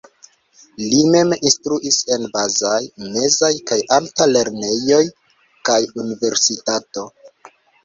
Li mem instruis en bazaj, mezaj kaj alta lernejoj kaj universitato.